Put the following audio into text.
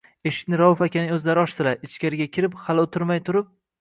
Eshikni Rauf akaning o’zlari ochdilar. Ichkariga kirib, hali o’tirmay turib: